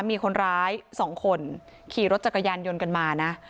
มีคนร้าย๒คนขี่รถจักรยานยนต์กันมานะ